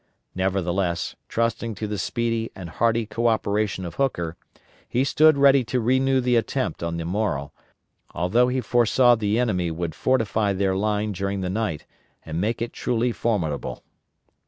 Nevertheless, trusting to the speedy and hearty co operation of Hooker, he stood ready to renew the attempt on the morrow, although he foresaw the enemy would fortify their line during the night and make it truly formidable.